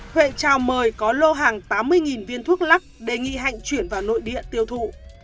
huệ chào mời có lô hàng tám mươi viên thuốc lắc đề nghị hạnh chuyển vào nội địa tiêu thụ